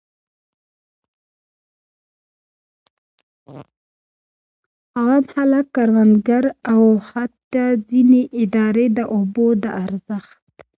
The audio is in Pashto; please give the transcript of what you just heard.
عام خلک، کروندګر او حتی ځینې ادارې د اوبو د ارزښت.